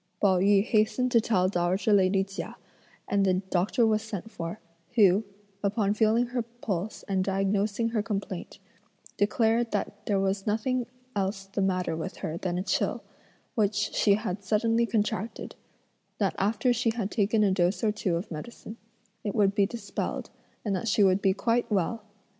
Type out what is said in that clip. Pao yü hastened to tell dowager lady Chia, and the doctor was sent for, who, upon feeling her pulse and diagnosing her complaint, declared that there was nothing else the matter with her than a chill, which she had suddenly contracted, that after she had taken a dose or two of medicine, it would be dispelled, and that she would be quite well.